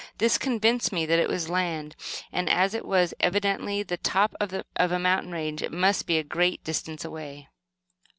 This convinced me that it was land, and as it was evidently the top of a mountain range, it must be a great distance away.